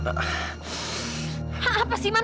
apa sih man